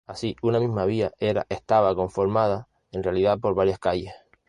Así, una misma vía era estaba conformada en realidad por varias calles.